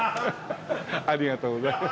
ありがとうございます。